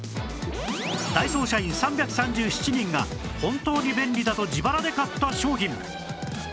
ダイソー社員３３７人が本当に便利だと自腹で買った商品